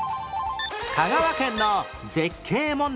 香川県の絶景問題